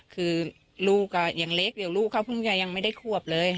คือลูกอ่ะอย่างเล็กเดียวลูกเขายังไม่ได้ควบเลย